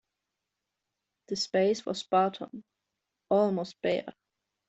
The space was spartan, almost bare.